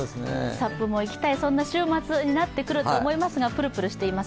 ＳＵＰも行きたい、そんな週末になってくると思いますが、ぷるぷるしています。